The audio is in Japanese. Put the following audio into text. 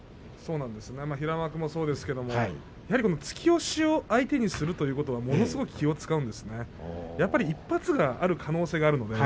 平幕もそうですけれど突き押しを相手にするというのはものすごく気を遣うんです一発がある可能性があります。